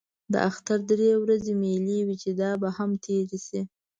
د اختر درې ورځې مېلې وې چې دا به هم تېرې شي.